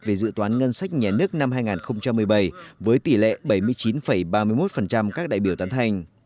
về dự toán ngân sách nhà nước năm hai nghìn một mươi bảy với tỷ lệ bảy mươi chín ba mươi một các đại biểu tán thành